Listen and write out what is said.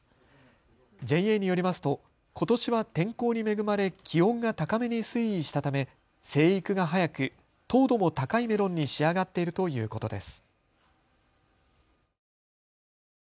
ＪＡによりますとことしは天候に恵まれ気温が高めに推移したため生育が早く糖度も高いメロンに仕上がっているということです。